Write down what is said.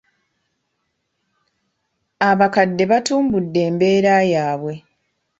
Abakadde batumbudde embeera yaabwe.